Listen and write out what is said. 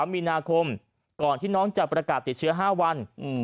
มีนาคมก่อนที่น้องจะประกาศติดเชื้อ๕วัน